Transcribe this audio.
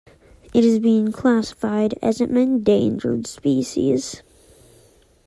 It has been classified as an endangered species.